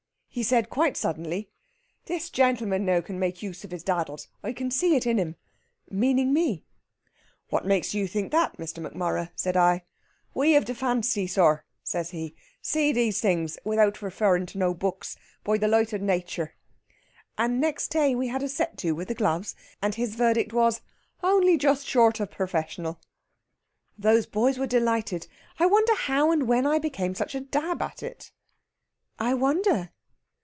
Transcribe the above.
He said quite suddenly, 'This gentleman now can make use of his daddles. I can see it in him' meaning me. 'What makes you think that, Mr. Macmorrough?' said I. 'We of the fancy, sir,' says he, 'see these things, without referrin' to no books, by the light of Nature.' And next day we had a set to with the gloves, and his verdict was 'Only just short of professional.' Those boys were delighted. I wonder how and when I became such a dab at it?" "I wonder!"